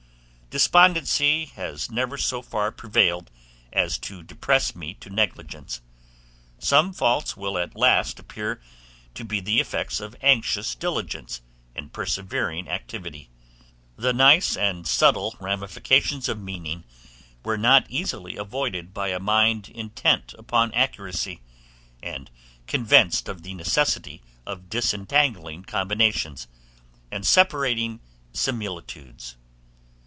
Despondency has never so far prevailed as to depress me to negligence; some faults will at last appear to be the effects of anxious diligence and persevering activity. The nice and subtle ramifications of meaning were not easily avoided by a mind intent upon accuracy, and convinced of the necessity of disentangling combinations, and separating similitudes.